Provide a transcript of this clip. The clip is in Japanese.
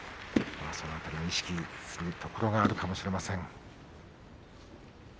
その辺りも意識するところがあるかもしれません。